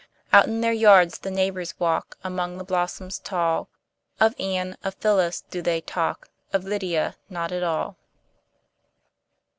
Out in their yards the neighbors walk, Among the blossoms tall; Of Anne, of Phyllis, do they talk, Of Lydia not at all.